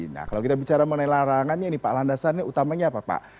nah kalau kita bicara mengenai larangannya ini pak landasannya utamanya apa pak